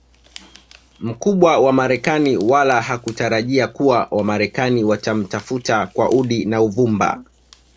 mkubwa wa marekani wala hakutarajia kuwa wamarekani watamtafuta kwa udi na uvumba